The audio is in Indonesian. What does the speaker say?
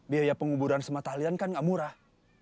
biaya penguburan semata lian kan gak murah